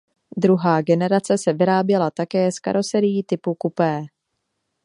Druhá generace se vyráběla také s karoserií typu kupé.